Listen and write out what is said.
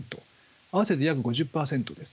合わせて約５０％です。